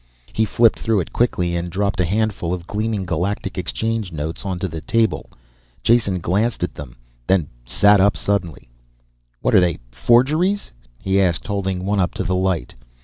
He flipped through it quickly and dropped a handful of gleaming Galactic Exchange notes onto the table. Jason glanced at them then sat up suddenly. "What are they forgeries?" he asked, holding one up to the light.